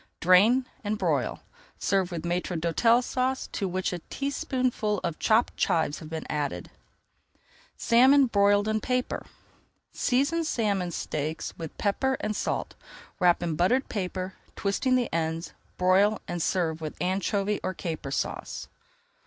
Drain and broil. Serve with Maître d'Hôtel Sauce to which a teaspoonful of chopped chives has been added. [Page 264] SALMON BROILED IN PAPER Season salmon steaks with pepper and salt, wrap in buttered paper, twisting the ends, broil and serve with Anchovy or Caper Sauce.